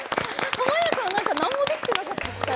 濱家さん、何もできてなかった。